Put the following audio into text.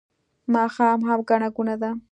ماښام هم ګڼه ګوڼه ده